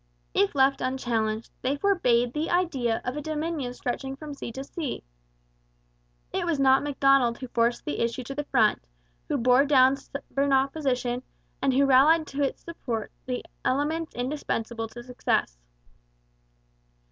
If left unchallenged, they forbade the idea of a Dominion stretching from sea to sea. It was not Macdonald who forced the issue to the front, who bore down stubborn opposition, and who rallied to its support the elements indispensable to success.